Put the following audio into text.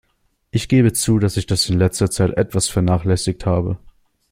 Ich gebe zu, dass ich das in letzter Zeit etwas vernachlässigt habe.